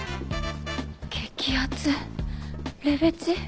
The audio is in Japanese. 激アツレベチ。